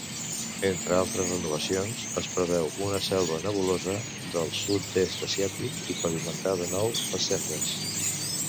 Entre altres renovacions, es preveu una selva nebulosa del sud-est asiàtic i pavimentar de nou les sendes.